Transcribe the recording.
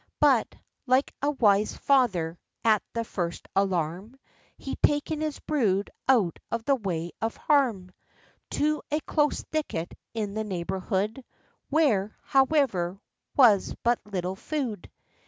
But, like a wise father, at the first alarm, He'd taken his brood out of the way of harm, To a close thicket in the neighborhood, Where, however, was but little food.